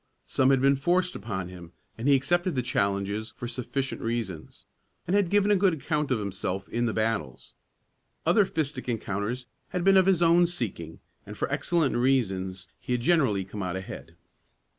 Some had been forced upon him, and he accepted the challenges for sufficient reasons, and had given a good account of himself in the battles. Other fistic encounters had been of his own seeking and for excellent reasons he had generally come out ahead.